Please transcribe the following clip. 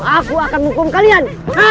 aku akan hukum kalian